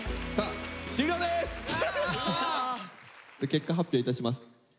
結果発表いたします。